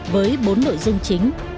với bốn nội dung chính